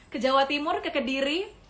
ke jawa timur ke kediri